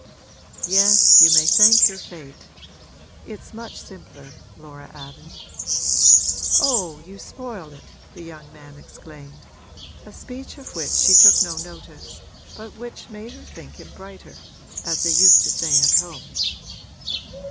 'Yes, you may thank your fate. It's much simpler,' Laura added. 'Oh, you spoil it!' the young man exclaimed a speech of which she took no notice but which made her think him brighter, as they used to say at home.